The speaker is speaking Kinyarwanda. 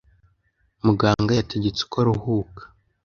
Muganga yategetse ko aruhuka.